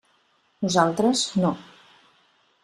Nosaltres, no.